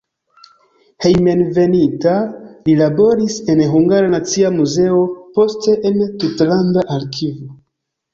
Hejmenveninta li laboris en Hungara Nacia Muzeo, poste en tutlanda arkivo.